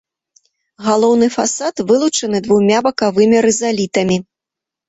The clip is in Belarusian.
Галоўны фасад вылучаны двумя бакавымі рызалітамі.